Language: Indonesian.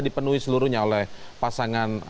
dipenuhi seluruhnya oleh pasangan